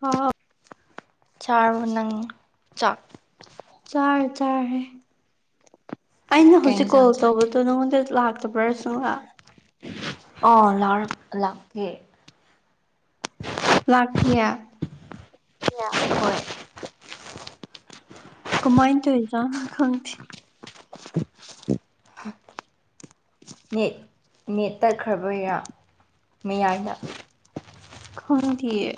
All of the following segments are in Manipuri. ꯍꯥ ꯆꯥꯔꯕꯣ ꯅꯪ ꯆꯥꯛ ꯆꯥꯔꯦ ꯆꯥꯔꯦ ꯑꯩꯅ ꯀꯩ ꯍꯧꯖꯤꯛ ꯀꯣꯜ ꯏꯟꯁꯥꯡ ꯆꯥꯒꯦ ꯇꯧꯕꯗꯣ ꯑꯗꯣ ꯅꯉꯣꯟꯗ ꯂꯥꯛꯇꯕ꯭ꯔꯥ ꯁꯨꯂꯥꯛ ꯑꯣ ꯂꯥꯎ ꯂꯥꯛꯀꯦ ꯂꯥꯛ ꯇꯤꯌꯦ ꯌꯥ ꯍꯣꯏ ꯀꯃꯥꯏ ꯇꯣꯏꯋꯤ ꯖꯥꯠꯅꯣ ꯈꯪꯗꯦ ꯅꯦꯠ ꯅꯦꯠ ꯇꯠꯈ꯭ꯔꯕꯩꯔꯥ ꯃꯌꯥꯏꯗ ꯈꯪꯗꯤꯌꯦ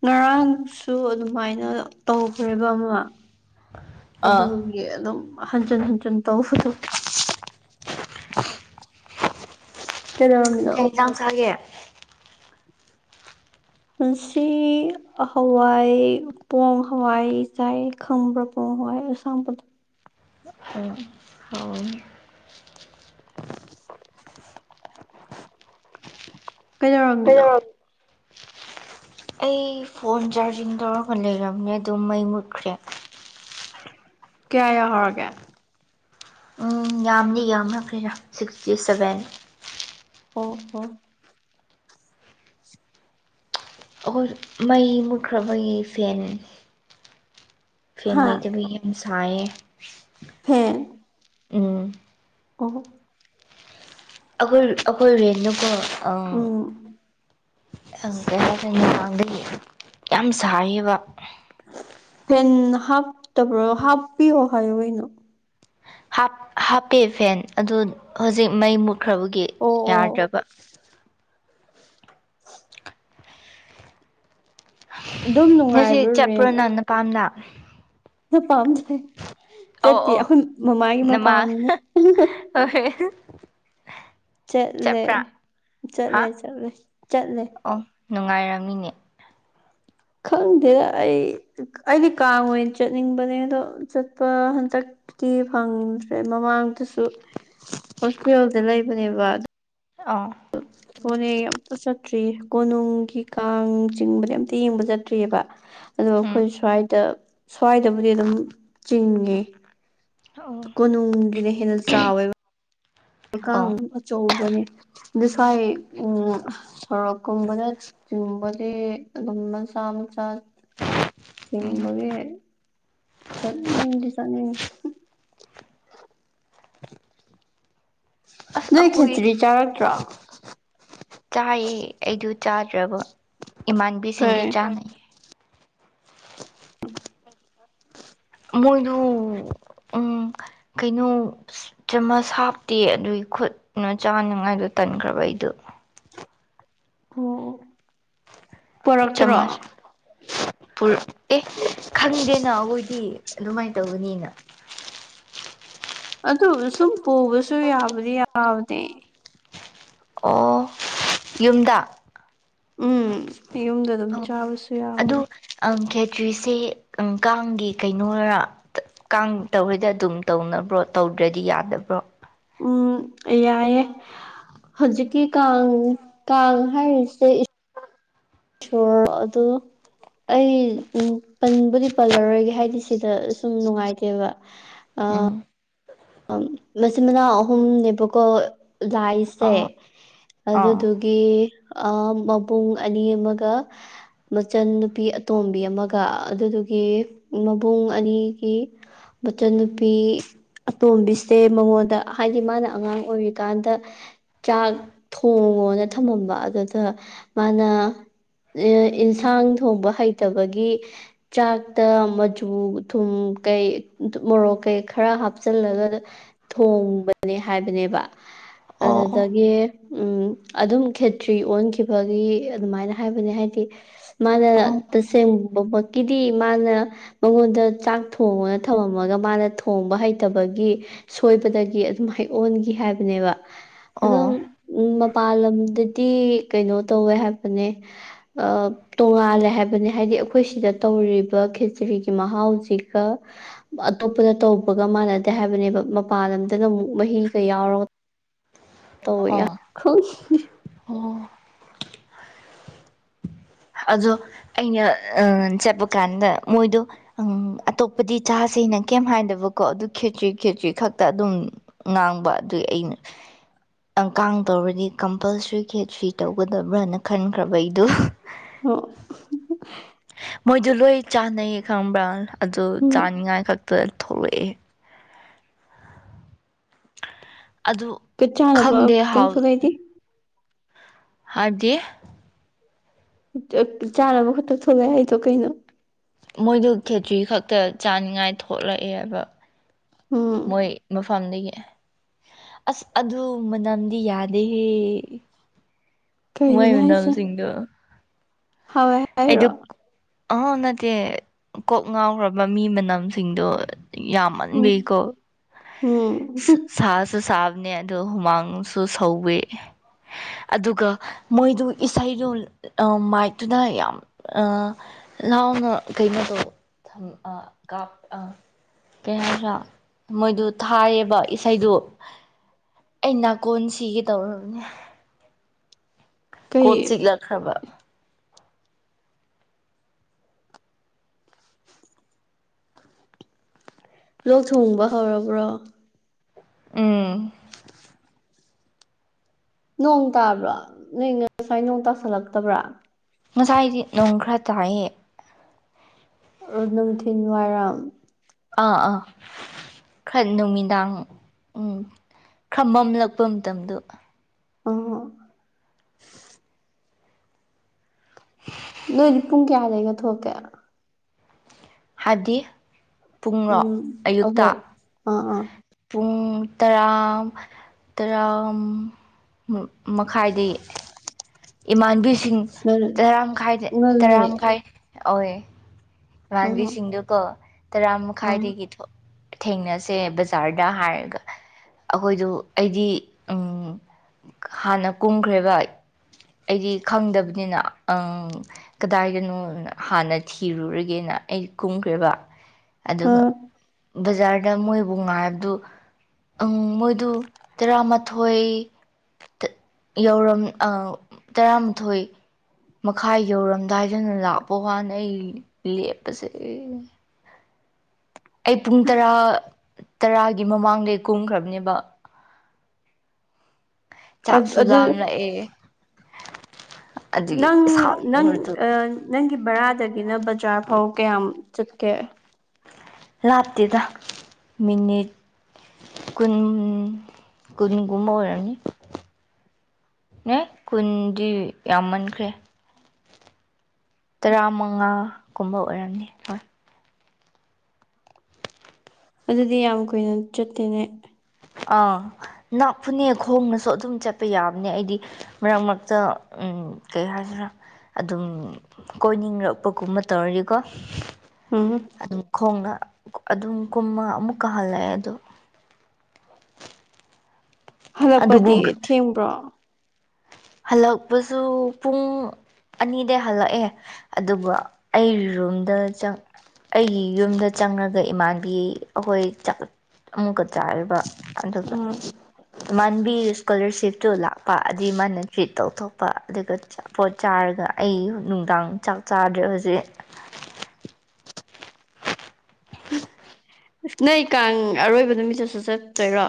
ꯉꯔꯥꯡꯁꯨ ꯑꯗꯨꯃꯥꯏꯅ ꯇꯧꯈ꯭ꯔꯦꯕ ꯑꯃ ꯑꯥ ꯑꯗꯨꯒꯤ ꯑꯗꯨꯝ ꯍꯟꯖꯤꯟ ꯍꯟꯖꯤꯟ ꯇꯧꯕꯗꯣ ꯀꯩꯗꯧꯔꯝꯃꯤ ꯀꯩ ꯌꯦꯟꯁꯥꯡ ꯆꯒꯦ ꯄꯨꯟꯁꯤ ꯍꯋꯥꯏ ꯄꯣꯡ ꯍꯋꯥꯏ ꯆꯥꯏ ꯈꯪꯕ꯭ꯔ ꯄꯣꯡ ꯍꯋꯥꯏ ꯑꯁꯥꯝꯕꯗꯣ ꯑꯣ ꯍꯥꯎꯋꯤ ꯀꯩꯗꯧꯔꯝꯃꯤꯅꯣ ꯀꯩꯗꯧꯔꯝ ꯑꯩ ꯐꯣꯟ ꯆꯥꯔꯖꯤꯡ ꯇꯧꯔꯒ ꯂꯩꯔꯝꯃꯦ ꯑꯗꯨ ꯃꯩ ꯃꯨꯠꯈ꯭ꯔꯦ ꯀꯌꯥ ꯌꯧꯍꯧꯔꯒꯦ ꯎꯝ ꯌꯥꯝꯅꯤ ꯌꯥꯝꯅꯈ꯭ꯔꯦꯔ ꯁꯤꯛꯁꯇꯤ ꯁꯚꯦꯟ ꯑꯣ ꯍꯣ ꯑꯈꯣꯏ ꯃꯩ ꯃꯨꯠꯈ꯭ꯔꯕꯒꯤ ꯐꯦꯟꯅꯦ ꯐꯦꯟ ꯍꯥ ꯂꯩꯇꯕꯒꯤ ꯌꯥꯝ ꯁꯥꯏ ꯌꯦ ꯐꯦꯟ ꯎꯝ ꯑꯣ ꯑꯩꯈꯣꯏ ꯑꯩꯈꯣꯏ ꯔꯦꯟ ꯗꯨ ꯀꯣ ꯑꯝ ꯎꯝ ꯀꯩ ꯍꯥꯏꯇꯥꯔꯦ ꯉꯥꯍꯥꯡꯗꯒꯤ ꯌꯥꯝ ꯁꯥꯏꯌꯦꯕ ꯐꯦꯟ ꯍꯥꯞꯇꯕ꯭ꯔꯣ ꯍꯥꯞꯄꯤꯌꯣ ꯍꯥꯏꯌꯣ ꯀꯩꯅꯣ ꯍꯥꯞ ꯍꯥꯞꯄꯦ ꯐꯦꯟ ꯑꯗꯨ ꯍꯧꯖꯤꯛ ꯃꯩ ꯃꯨꯠꯈ꯭ꯔꯕꯒꯤ ꯑꯣ ꯑꯣ ꯌꯥꯗ꯭ꯔꯕ ꯑꯗꯨꯝ ꯉꯁꯤ ꯅꯨꯡꯉꯥꯏꯕ꯭ꯔꯣ ꯆꯠꯄ꯭ꯔꯣ ꯅꯪ ꯅꯄꯥꯝꯗ ꯅꯄꯥꯝꯗꯥꯌꯦ ꯑꯧ ꯆꯠꯇꯦ ꯑꯧ ꯑꯩꯈꯣꯏ ꯃꯃꯥꯒꯤ ꯃꯄꯥꯝꯅꯦ ꯑꯣ ꯍꯣꯏ ꯆꯠꯂꯦ ꯆꯠꯄ꯭ꯔꯥ ꯍꯥ ꯆꯠꯂꯦ ꯆꯠꯂꯦ ꯆꯠꯂꯦ ꯑꯣ ꯅꯨꯡꯉꯥꯏꯔꯝꯃꯤꯅꯦ ꯈꯪꯗꯦꯗ ꯑꯩ ꯑꯩꯗꯤ ꯀꯥꯡ ꯑꯣꯏꯅ ꯆꯠꯅꯤꯡꯕꯅꯦ ꯑꯗꯣ ꯆꯠꯄ ꯍꯟꯇꯛ ꯇꯤ ꯐꯪꯗ꯭ꯔꯦ ꯃꯃꯥꯡꯗꯁꯨ ꯍꯣꯁꯇꯦꯜꯗ ꯂꯩꯕꯅꯦꯕ ꯑꯗꯨ ꯑꯥ ꯄꯣꯔꯦ ꯑꯝꯇ ꯆꯠꯇ꯭ꯔꯤꯌꯦ ꯀꯣꯅꯨꯡꯒꯤ ꯀꯥꯡ ꯆꯤꯡꯕꯗꯤ ꯑꯝꯇ ꯌꯦꯡꯕ ꯆꯠꯇ꯭ꯔꯤꯕ ꯑꯗꯣ ꯎꯝ ꯑꯩꯈꯣꯏ ꯁ꯭ꯋꯥꯏꯗ ꯁ꯭ꯋꯥꯏꯗꯕꯨꯗꯤ ꯑꯗꯨꯝ ꯆꯤꯡꯉꯦ ꯑꯣ ꯀꯣꯅꯨꯡꯒꯤꯅ ꯍꯦꯟꯅ ꯆꯥꯎꯋꯦꯕ ꯑꯣ ꯀꯥꯡ ꯑꯆꯧꯕꯅꯦ ꯑꯗꯨ ꯁ꯭ꯋꯥꯏ ꯎꯝ ꯁꯣꯔꯣꯛ ꯀꯨꯝꯕꯗ ꯆꯤꯝꯕꯗꯤ ꯑꯗꯨꯝ ꯃꯆꯥ ꯃꯆꯥꯅꯦ ꯎꯝ ꯆꯤꯡꯕꯒꯤ ꯆꯠꯅꯤꯡꯗꯤ ꯆꯠꯅꯤꯡꯉꯤ ꯑꯁ ꯅꯣꯏ ꯑꯩꯈꯣꯏ ꯈꯦꯆ꯭ꯔꯤ ꯆꯥꯔꯛꯇ꯭ꯔꯣ ꯆꯥꯏꯌꯦ ꯑꯩꯗꯨ ꯆꯥꯗ꯭ꯔꯕ ꯀꯩ ꯏꯃꯥꯟꯕꯤꯁꯤꯡꯒꯤ ꯆꯥꯅꯩꯌꯦ ꯃꯣꯏꯗꯨ ꯎꯝ ꯀꯩꯅꯣ ꯆꯃꯁ ꯍꯥꯞꯇꯦ ꯑꯗꯨꯒꯤ ꯈꯨꯠꯅ ꯆꯥꯅꯉꯥꯏꯗꯣ ꯇꯟꯈ꯭ꯔꯕ ꯑꯩꯗꯣ ꯑꯣ ꯑꯣ ꯆꯃꯁ ꯄꯨꯔ ꯑꯦ ꯈꯪꯗꯦꯅ ꯑꯩꯈꯣꯏꯗꯤ ꯑꯗꯨꯃꯥꯏꯅ ꯇꯧꯒꯅꯤꯅ ꯑꯗꯨꯒ ꯁꯨꯝ ꯄꯨꯕꯁꯨ ꯌꯥꯕꯗꯤ ꯌꯥꯕꯅꯦ ꯑꯣ ꯌꯨꯝꯗꯥ ꯎꯝ ꯌꯨꯝꯗꯥ ꯑꯗꯨꯝ ꯆꯥꯕꯁꯨ ꯌꯥꯕꯅꯤ ꯑꯪ ꯈꯦꯇ꯭ꯔꯤꯁꯦ ꯑꯪ ꯀꯥꯡꯒꯤ ꯀꯩꯅꯣꯔ ꯇ ꯀꯥꯡ ꯇꯧꯔꯗꯤ ꯑꯗꯨꯝ ꯇꯧꯅꯕ꯭ꯔꯣ ꯇꯧꯗ꯭ꯔꯗꯤ ꯌꯥꯗꯕ꯭ꯔꯣ ꯎꯝ ꯌꯥꯏꯌꯦ ꯍꯧꯖꯤꯛꯀꯤ ꯀꯥꯡ ꯀꯥꯡ ꯍꯥꯏꯔꯤꯁꯦ ꯁꯣꯔ ꯑꯗꯨ ꯑꯩ ꯎꯝ ꯄꯟꯕꯨꯗꯤ ꯄꯜꯂꯔꯣꯏꯒꯦ ꯍꯥꯏꯗꯤ ꯁꯤꯗ ꯁꯨꯝ ꯅꯨꯡꯉꯥꯏꯇꯦꯕ ꯑꯥ ꯎꯝ ꯃꯆꯤꯟ ꯃꯅꯥꯎ ꯑꯍꯨꯝꯅꯦꯕꯀꯣ ꯂꯥꯏꯁꯦ ꯑꯣ ꯑꯣ ꯑꯗꯨꯗꯨ ꯒꯤ ꯑꯥ ꯃꯕꯨꯡ ꯑꯅꯤ ꯑꯃꯒ ꯃꯆꯟ ꯅꯨꯄꯤ ꯑꯇꯣꯝꯕꯤ ꯑꯃꯒ ꯑꯗꯨꯗꯨꯒꯤ ꯃꯕꯨꯡ ꯑꯅꯤꯒꯤ ꯃꯆꯟꯅꯨꯄꯤ ꯇꯣꯝꯕꯤꯁꯦ ꯃꯉꯣꯟꯗ ꯍꯥꯏꯗꯤ ꯃꯥꯅ ꯑꯉꯥꯡ ꯑꯣꯏꯔꯤꯀꯥꯟꯗ ꯆꯥꯛ ꯊꯣꯡꯉꯣꯅ ꯊꯝꯃꯝꯕ ꯑꯗꯨꯗ ꯃꯥꯅ ꯏꯟꯁꯥꯡ ꯊꯣꯡꯕ ꯍꯩꯇꯕꯒꯤ ꯆꯥꯛꯇ ꯃꯆꯨ ꯊꯨꯝ ꯀꯩ ꯃꯣꯔꯣꯛ ꯀꯩ ꯈꯔ ꯍꯥꯞ ꯆꯜꯂꯒ ꯊꯣꯡꯕꯅꯦ ꯍꯥꯏꯕꯅꯦꯕ ꯑꯣ ꯑꯗꯨꯗꯒꯤ ꯎꯝ ꯑꯗꯨꯝ ꯈꯦꯇ꯭ꯔꯤ ꯑꯣꯟꯈꯤꯕꯒꯤ ꯑꯗꯨꯃꯥꯏꯅ ꯍꯥꯏꯕꯅꯦ ꯍꯥꯏꯗꯤ ꯃꯥꯅ ꯑꯣ ꯇꯁꯦꯡꯕꯃꯛ ꯀꯤꯗꯤ ꯃꯥꯅ ꯃꯉꯣꯟꯗ ꯆꯥꯛ ꯊꯣꯡꯉꯣꯅ ꯊꯝꯃꯝꯃꯒ ꯃꯥꯅ ꯊꯣꯡꯕ ꯍꯩ ꯇꯕꯒꯤ ꯁꯣꯏꯕꯗꯒꯤ ꯑꯗꯨꯝ ꯍꯩ ꯑꯣꯟꯒꯤ ꯍꯥꯏꯕꯅꯦꯕ ꯑꯗꯨꯝ ꯑꯣ ꯎꯝ ꯃꯄꯥꯟ ꯂꯝꯗꯗꯤ ꯀꯩꯅꯣ ꯇꯧꯋꯦ ꯍꯥꯏꯕꯅꯦ ꯑꯞ ꯇꯣꯉꯥꯜꯂꯦ ꯍꯥꯏꯕꯅꯤ ꯍꯥꯏꯗꯤ ꯑꯩꯈꯣꯏ ꯁꯤꯗ ꯇꯧꯔꯤꯕ ꯈꯦꯆ꯭ꯔꯤꯒꯤ ꯃꯍꯥꯎꯁꯤꯒ ꯑꯇꯣꯞꯄꯗ ꯇꯧꯕꯒ ꯃꯥꯟꯅꯗꯦ ꯍꯥꯏꯕꯅꯦꯕ ꯃꯄꯥꯟ ꯂꯝꯗꯅ ꯑꯃꯨꯛ ꯃꯍꯤꯒ ꯌꯥꯎꯔꯒ ꯇꯧꯋꯦ ꯌꯥ ꯑꯣ ꯈꯪꯗꯦ ꯑꯣ ꯑꯗꯣ ꯑꯩꯅ ꯑꯥ ꯆꯠꯄ ꯀꯥꯟꯗ ꯃꯣꯏꯗꯣ ꯑꯪ ꯑꯇꯣꯞꯄꯗꯤ ꯆꯥꯁꯤꯅ ꯀꯩꯝ ꯍꯥꯏꯗꯕꯀꯣ ꯑꯗꯨ ꯈꯦꯆ꯭ꯔꯤ ꯈꯦꯆ꯭ꯔꯤ ꯈꯛꯇ ꯑꯗꯨꯝ ꯉꯥꯡꯕ ꯑꯗꯨꯏ ꯑꯩꯅ ꯑꯪꯀꯥꯡ ꯇꯧꯔꯗꯤ ꯀꯝꯄꯜꯁꯔꯤ ꯈꯦꯆ꯭ꯔꯤ ꯇꯧꯒꯗꯕ꯭ꯔꯅ ꯈꯟꯈ꯭ꯔꯕ ꯑꯩꯗꯨ ꯑꯣ ꯃꯣꯏꯗꯣ ꯂꯣꯏ ꯆꯥꯅꯩꯌꯦ ꯈꯪꯕ꯭ꯔꯥ ꯑꯗꯨ ꯎꯝ ꯆꯥꯅꯤꯡꯉꯥꯏ ꯈꯛꯇ ꯊꯣꯛꯂꯛꯑꯦ ꯑꯗꯨ ꯀ ꯆꯥꯟꯅꯕ ꯈꯪꯗꯦ ꯈꯇꯪ ꯍꯥꯎ ꯊꯣꯛꯂꯛꯑꯦꯗꯤ ꯍꯥꯏꯞꯗꯤ ꯆꯥꯅꯕ ꯈꯛꯇ ꯊꯣꯛꯂꯛꯑꯦ ꯍꯥꯏꯗꯣ ꯀꯩꯅꯣ ꯃꯣꯏꯗ ꯈꯦꯇ꯭ꯔꯤ ꯈꯛꯇ ꯆꯥꯅꯤꯡꯉꯥꯏ ꯊꯣꯛꯂꯛꯑꯦꯕ ꯎꯝ ꯃꯣꯏ ꯃꯐꯝꯗꯒꯤ ꯑꯁ ꯑꯗꯨ ꯃꯅꯝꯗꯤ ꯌꯥꯗꯦꯍꯦ ꯃꯣꯏ ꯀꯩꯕꯨꯅꯥ ꯏꯁꯣ ꯃꯅꯝꯁꯤꯡꯗꯣ ꯍꯥꯎꯑꯦ ꯑꯩꯗ ꯑꯥꯎ ꯅꯠꯇꯦ ꯀꯣꯛ ꯉꯥꯎꯈ꯭ꯔꯕ ꯃꯤ ꯃꯅꯝꯁꯤꯡꯗꯣ ꯌꯥꯃ ꯎꯝ ꯃꯟꯕꯤ ꯀꯣ ꯎꯝ ꯁꯥ ꯁꯥꯐ ꯍꯥꯞꯅꯦ ꯑꯗꯣ ꯍꯨꯃꯥꯡꯁꯨ ꯁꯧꯋꯤ ꯑꯗꯨꯒ ꯃꯣꯏꯗꯨ ꯏꯁꯩꯗꯨ ꯃꯥꯏꯠꯇꯨꯅ ꯌꯥꯝ ꯑ ꯂꯥꯎꯅ ꯀꯩꯅꯣꯗꯣ ꯑ ꯀꯥꯞ ꯑ ꯀꯩ ꯍꯥꯏꯔ꯭ꯔꯥ ꯃꯣꯏꯗꯨ ꯊꯥꯏꯌꯦꯕ ꯏꯁꯩꯗꯨ ꯑꯩ ꯅꯥꯀꯣꯟ ꯁꯤꯒꯦ ꯇꯧꯔꯕꯅꯦ ꯀꯩ ꯀꯣꯠ ꯆꯤꯛꯂꯛꯈ꯭ꯔꯕ ꯂꯣꯛ ꯊꯨꯡꯕ ꯍꯧꯔꯕ꯭ꯔꯣ ꯎꯝ ꯅꯣꯡ ꯇꯥꯕ꯭ꯔꯣ ꯅꯪ ꯉꯁꯥꯏ ꯅꯣꯡ ꯇꯥꯁꯜꯂꯛꯇꯕ꯭ꯔꯥ ꯉꯁꯥꯏꯗꯤ ꯅꯣꯡ ꯈꯔ ꯇꯥꯏꯌꯦ ꯅꯨꯡꯊꯤꯤꯟ ꯋꯥꯏꯔꯝ ꯑꯥ ꯑꯥ ꯈꯔ ꯅꯨꯃꯤꯗꯥꯡ ꯎꯝ ꯈꯔ ꯃꯝꯂꯛꯄ ꯃꯇꯝꯗꯣ [unintelligible] ꯅꯣꯏ ꯍꯧꯗꯤ ꯄꯨꯡ ꯀꯌꯥꯗꯩꯒ ꯊꯣꯛꯀꯦ ꯍꯥꯏꯗꯤ ꯄꯨꯡꯔꯣ ꯎꯝ ꯑꯌꯨꯛꯇ ꯑꯩꯈꯣꯏ ꯑꯥ ꯑꯥ ꯄꯨꯡ ꯇꯔꯥ ꯇꯔꯥ ꯃꯈꯥꯏꯗꯒꯤ ꯏꯃꯥꯟꯕꯤꯁꯤꯡ ꯇꯔꯥꯃꯥꯏꯗ ꯇꯔꯥ ꯉꯜꯂꯦ ꯃꯈꯥꯏ ꯑꯣꯏ ꯑꯥ ꯏꯃꯥꯟꯕꯤꯁꯤꯡꯗꯨ ꯀꯣ ꯇꯔꯥ ꯑꯥ ꯃꯈꯥꯏꯗꯒꯤ ꯊꯣꯛ ꯊꯦꯡꯅꯁꯦ ꯕꯖꯥꯔꯗ ꯍꯥꯏꯔꯒ ꯑꯩꯈꯣꯏꯗꯨ ꯑꯩꯗꯤ ꯍꯥꯟꯅ ꯀꯨꯝꯈ꯭ꯔꯦ ꯑꯩꯗꯤ ꯈꯪꯗꯕꯅꯤꯅ ꯑ ꯀꯗꯥꯏꯗꯅꯣ ꯍꯥꯟꯅ ꯊꯤꯔꯨꯔꯒꯦ ꯒꯦꯅ ꯑꯩ ꯀꯨꯝꯈ꯭ꯔꯦꯕ ꯑꯗꯨꯒ ꯑꯥ ꯕꯖꯥꯔꯗ ꯃꯣꯏꯕꯨ ꯉꯥꯏꯕꯗꯨꯪ ꯃꯣꯏꯗꯨ ꯇꯔꯥꯃꯥꯊꯣꯏ ꯌꯧꯔꯝ ꯇꯔꯥꯃꯥꯊꯣꯏ ꯃꯈꯥꯏ ꯌꯧꯔꯝꯗꯥꯏꯗꯅ ꯂꯥꯛꯄ ꯀꯥꯟꯗ ꯑꯩ ꯂꯦꯞꯄꯁꯦ ꯑꯩ ꯄꯨꯡ ꯇꯔꯥ ꯇꯔꯥꯒꯤ ꯃꯃꯥꯡꯗꯩ ꯀꯨꯝꯈ꯭ꯔꯕꯅꯦꯕ ꯆꯥꯞꯁꯨ ꯑꯗꯨ ꯂꯝꯂꯛꯌꯦ ꯅꯪ-ꯅꯪ ꯁꯥꯎꯅꯤꯡꯕꯗꯨ ꯅꯪꯒꯤ ꯕꯔꯥꯗꯒꯤꯅ ꯕꯖꯥꯔ ꯐꯥꯎ ꯀꯌꯥꯝ ꯆꯠꯀꯦ ꯂꯥꯞꯇꯦꯗ ꯃꯤꯅꯤꯠ ꯀꯨꯟ ꯀꯨꯟꯒꯨꯝꯕ ꯑꯣꯏꯔꯃꯅꯤ ꯌꯤ ꯀꯨꯟꯗꯤ ꯌꯥꯝꯃꯟꯈ꯭ꯔꯦ ꯇꯔꯥꯃꯉꯥ ꯒꯨꯝꯕ ꯑꯣꯏꯔꯝꯅꯤ ꯍꯣꯏ ꯑꯗꯨꯗꯤ ꯌꯥꯝ ꯀꯨꯏꯅ ꯆꯠꯇꯦꯅꯦ ꯑꯥ ꯅꯥꯄꯄꯅꯦ ꯈꯣꯡꯅꯁꯨ ꯑꯗꯨꯝ ꯆꯠꯄ ꯌꯥꯕꯅꯦ ꯑꯩꯗꯤ ꯃꯔꯛ ꯃꯔꯛꯇ ꯀꯩ ꯍꯥꯏꯁꯤꯔꯥ ꯑꯗꯨꯝ ꯀꯣꯏꯅꯤꯡꯂꯛꯄꯒꯨꯝꯕ ꯇꯧꯔꯗꯤꯀꯣ ꯎꯝ ꯈꯣꯡꯅ ꯑꯗꯨꯝ ꯀꯨꯝꯃ ꯑꯃꯨꯛ ꯀꯥ ꯍꯜꯂꯛꯑꯦ ꯑꯗꯣ ꯑꯗꯨꯕꯨ ꯍꯜꯂꯛꯄꯗꯤ ꯊꯦꯡꯕ꯭ꯔꯣ ꯍꯜꯂꯛꯄꯁꯨ ꯄꯨꯡ ꯑꯅꯤꯗꯩ ꯍꯜꯂꯛꯑꯦ ꯑꯗꯨꯕꯨ ꯑꯩ ꯔꯨꯝꯗ ꯆꯤꯡ ꯑꯩꯒꯤ ꯌꯨꯝꯗ ꯆꯪꯔꯒ ꯏꯃꯥꯟꯕꯤ ꯍꯣꯏꯖꯛ ꯑꯃꯨꯛꯀ ꯆꯥꯔꯤꯕ ꯑꯗꯨꯒ ꯑꯥ ꯏꯃꯥꯟꯕꯤ ꯏꯁꯀ꯭ꯋꯂꯔꯁꯤꯞꯇꯨ ꯂꯥꯛꯄ ꯑꯗꯨꯏ ꯃꯥꯅ ꯇ꯭ꯔꯤꯠ ꯇꯧꯊꯣꯛꯄ ꯑꯗꯨꯒꯠ ꯑꯆꯥꯄꯣꯠ ꯆꯥꯔꯒ ꯑꯩ ꯅꯨꯡꯗꯥꯡ ꯆꯥꯛ ꯆꯥꯗ꯭ꯔꯦ ꯍꯣꯖꯤꯛ ꯅꯣꯏ ꯀꯥꯡ ꯑꯔꯣꯏꯕ ꯅꯨꯃꯤꯠꯇꯁꯨ ꯆꯠꯇꯣꯏꯔꯣ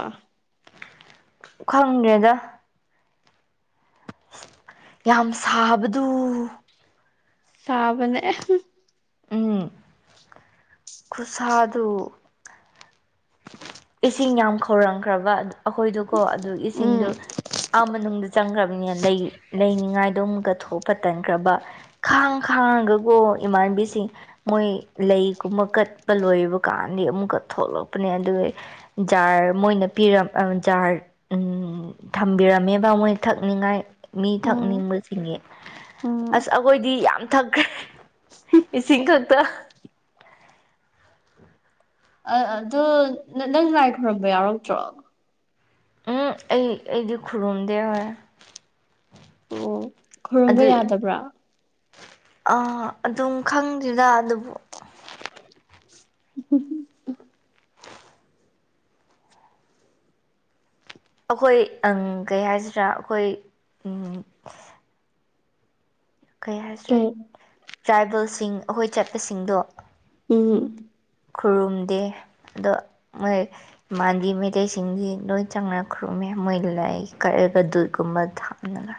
ꯈꯪꯗꯦꯗ ꯌꯥꯝ ꯁꯥꯕꯗꯨ ꯁꯥꯟꯅꯕ ꯑꯦꯍ ꯎꯝ ꯈꯨꯁꯥꯗꯨ ꯏꯁꯤꯡ ꯌꯥꯝ ꯈꯧꯔꯥꯡꯈ꯭ꯔꯕ ꯑꯗ ꯑꯩꯈꯣꯏꯗꯣꯀꯣ ꯑꯗꯨ ꯏꯁꯤꯡꯗꯨ ꯎꯝ ꯑꯥ ꯃꯅꯨꯡꯗ ꯆꯪꯈ꯭ꯔꯕꯅꯤꯅ ꯂꯩ ꯂꯩꯅꯤꯡꯉꯥꯏꯗꯣ ꯑꯃꯨꯛꯀ ꯊꯣꯛꯄ ꯇꯟꯈ꯭ꯔꯕ ꯈꯥꯡ ꯈꯥꯡꯉꯒꯒꯣ ꯏꯃꯥꯟꯅꯕꯤꯁꯤꯡ ꯃꯣꯏ ꯂꯩꯒꯨꯝꯕ ꯀꯠꯄ ꯂꯣꯏꯕ ꯀꯥꯟꯗꯤ ꯑꯃꯨꯛꯀ ꯊꯣꯛꯂꯛꯄꯅꯦ ꯑꯗꯨꯑꯩ ꯖꯥꯔ ꯃꯣꯏꯅ ꯄꯤꯔꯞ ꯑ ꯖꯥꯔ ꯎꯝ ꯊꯝꯕꯤꯔꯝꯃꯦꯕ ꯃꯣꯏ ꯊꯛꯅꯤꯡꯉꯥꯏ ꯃꯤ ꯎꯝ ꯊꯛꯅꯤꯡꯕꯁꯤꯡꯉꯦ ꯎꯝ ꯑꯁ ꯑꯒꯣꯏꯗꯤ ꯌꯥꯝ ꯊꯛꯈꯦ ꯏꯁꯤꯡ ꯈꯛꯇ ꯑ ꯑꯗꯨꯠ ꯅ ꯅꯪ ꯂꯥꯏ ꯈꯨꯔꯨꯝꯕ ꯌꯥꯎꯔꯛꯇ꯭ꯔꯣ ꯎꯝ ꯑꯩ ꯑꯩꯗꯤ ꯈꯨꯔꯨꯝꯗꯦ ꯍꯣꯏꯌꯦ ꯑꯣ ꯈꯨꯔꯝꯕ ꯌꯥꯗꯕ꯭ꯔꯥ ꯑꯥ ꯑꯗꯨꯝ ꯈꯪꯗ꯭ꯔꯤꯗ ꯑꯗꯨꯕꯨ ꯍꯝꯍꯝꯍꯝ ꯑꯈꯣꯏ ꯑꯪ ꯀꯩ ꯍꯥꯏꯁꯤꯔꯥ ꯑꯈꯣꯏ ꯎꯝ ꯀꯩ ꯍꯥꯏꯁꯤꯔꯠ ꯇ꯭ꯔꯥꯏꯕꯜꯁꯤꯡ ꯑꯈꯣꯏ ꯆꯠꯄꯁꯤꯡꯗꯣ ꯎꯝ ꯈꯨꯔꯨꯝꯗꯦ ꯑꯗꯣ ꯃꯣꯏ ꯃꯥꯥꯟꯗꯤ ꯃꯩꯇꯩꯁꯤꯡꯅꯤ ꯂꯣꯏ ꯆꯪꯅꯈ꯭ꯔꯨꯝꯃꯦ ꯃꯣꯏ ꯂꯩꯥꯏ ꯀꯛꯑꯦꯒ ꯗꯨꯠꯀꯨꯝꯕ ꯊꯞꯂꯒ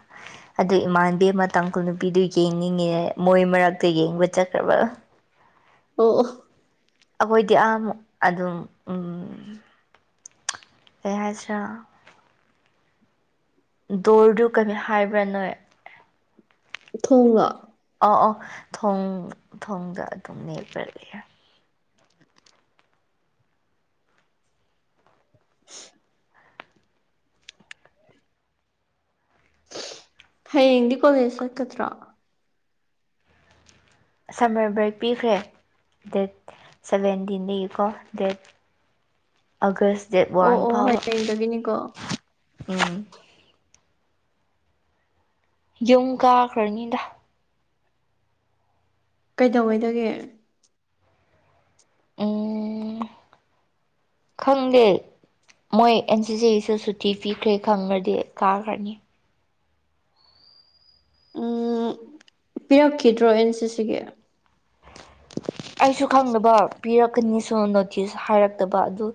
ꯑꯗꯨ ꯏꯃꯥꯟꯕꯤ ꯑꯃ ꯇꯥꯡꯈꯨꯜ ꯅꯨꯄꯤꯗꯨ ꯌꯦꯡꯅꯤꯡꯉꯤ ꯌꯩ ꯃꯣꯏ ꯃꯔꯛꯇ ꯌꯦꯡꯕ ꯆꯠꯈ꯭ꯔꯕ ꯑꯣ ꯑꯣ ꯑꯈꯣꯏꯗꯤ ꯑꯥꯃꯨꯛ ꯑꯗꯨꯝ ꯑꯝ ꯀꯩ ꯍꯥꯏꯁꯤꯔꯥ ꯗꯣꯔꯗꯨ ꯀꯂ ꯍꯥꯏꯕ꯭ꯔꯥ ꯅꯣꯏ ꯊꯨꯡꯂꯣ ꯑꯥꯎ ꯑꯥꯎ ꯊꯣꯡ ꯊꯣꯡꯗ ꯑꯗꯨꯝ ꯃꯦꯠꯄ꯭ꯔꯥ ꯂꯩꯌ [inaudible] ꯍꯌꯦꯡꯗꯤ ꯀꯣꯂꯦꯁ ꯆꯠꯀꯗ꯭ꯔꯣ ꯁꯝꯃꯔ ꯕ꯭ꯔꯦꯛ ꯄꯤꯈ꯭ꯔꯦ ꯗꯦꯠ ꯁꯕꯦꯟꯗꯤꯟꯗꯒꯤꯀꯣ ꯗꯦꯠ ꯑꯥꯒꯁ ꯗꯦꯠ ꯑꯣ ꯋꯥꯟ ꯑꯣ ꯐꯥꯎꯕ ꯍꯌꯦꯡꯗꯒꯤꯅꯤꯀꯣ ꯎꯝ ꯌꯨꯝ ꯀꯥꯈ꯭ꯔꯅꯤꯗ ꯀꯩꯗꯧꯉꯩꯗꯒꯦ ꯎꯝ ꯈꯪꯗꯦ ꯃꯣꯏ ꯑꯦꯟ ꯁꯤꯁꯤ ꯁꯨ ꯁꯨꯠ ꯇꯤ ꯐꯤꯈ꯭ꯔꯦ ꯈꯪꯔꯗꯤ ꯀꯥꯈ꯭ꯔꯅꯤ ꯎꯝ ꯄꯤꯔꯛꯈꯤꯗ꯭ꯔꯣ ꯑꯦꯟ ꯁꯤ ꯁꯤꯒꯦ ꯑꯩꯁꯨ ꯈꯪꯗꯕ ꯄꯤꯔꯛꯀꯅꯤꯁꯨ ꯅꯣꯇꯤꯁ ꯍꯥꯏꯔꯛꯇꯕ ꯑꯗꯨ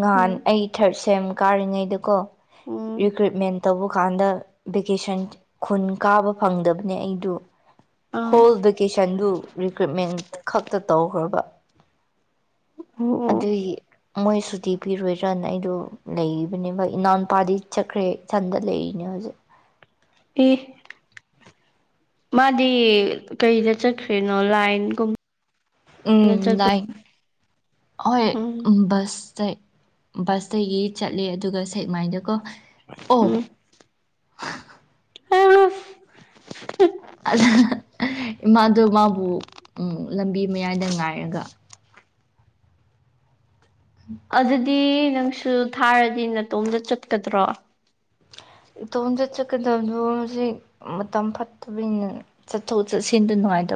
ꯉꯍꯥꯟ ꯎꯝ ꯑꯩ ꯊ꯭ꯔꯥꯠ ꯁꯦꯝ ꯀꯥꯔꯤꯉꯩꯗꯀꯣ ꯎꯝ ꯔꯤꯀ꯭ꯔꯨꯏꯠꯃꯦꯟ ꯇꯧꯕ ꯀꯥꯟꯗ ꯚꯦꯀꯦꯁꯟ ꯈꯨꯟ ꯀꯥꯕ ꯐꯪꯗꯕꯅꯦ ꯑꯩꯗꯨ ꯑꯥ ꯍꯣꯜ ꯚꯦꯀꯦꯁꯟꯗꯨ ꯔꯤꯀ꯭ꯔꯨꯠꯃꯦꯟ ꯈꯛꯇ ꯇꯧꯈ꯭ꯔꯕ ꯑꯣ ꯑꯣ ꯑꯗꯨꯏ ꯃꯣꯏ ꯁꯨꯇꯤ ꯄꯤꯔꯣꯏꯗ꯭ꯔꯥꯅ ꯑꯩꯗꯣ ꯂꯩꯕꯅꯦꯃꯛ ꯏꯅꯥꯎꯟꯄꯥꯗꯤ ꯆꯛꯈ꯭ꯔꯦ ꯁꯟꯗ ꯂꯩꯔꯤꯅꯦ ꯍꯣꯖꯤꯛ ꯏ ꯃꯥꯗꯤ ꯀꯩꯗ ꯆꯠꯈ꯭ꯔꯤꯅꯣ ꯂꯥꯏꯟꯒꯨꯝ ꯎꯝ ꯂꯥꯏꯡ ꯍꯣꯏ ꯎꯝ ꯎꯝꯕꯁ ꯕꯁꯇꯒꯤ ꯆꯠꯂꯦ ꯑꯗꯨꯒ ꯁꯦꯛꯃꯥꯏꯗꯀꯣ ꯑꯣ ꯎꯝ [unintelligible] ꯏꯃꯥꯗꯣ ꯃꯥꯕꯨ ꯂꯝꯕꯤ ꯃꯌꯥꯏꯗ ꯉꯥꯏꯔꯒ ꯑꯗꯨꯗꯤ ꯅꯪꯁꯨ ꯊꯥꯔꯗꯤ ꯅꯇꯣꯝꯗ ꯆꯠꯀꯗ꯭ꯔꯣ ꯏꯇꯣꯝꯇꯠ ꯆꯠꯀꯗꯕꯗꯣ ꯍꯧꯖꯤꯛ ꯃꯇꯝ ꯐꯠꯇꯕꯅꯤꯅ ꯆꯠꯊꯣꯛ ꯆꯠꯁꯤꯟꯗ ꯅꯨꯡꯉꯥꯏꯇꯕ